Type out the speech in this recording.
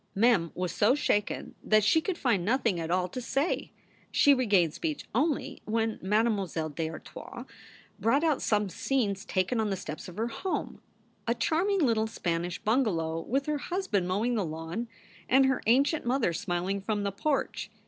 Mem was so shaken that she could find nothing at all to say. She regained speech only when Mademoiselle d Artoise brought out some scenes taken on the steps of her home a charming little Spanish bungalow, with her husband mowing the lawn and her ancient mother smiling from the porch.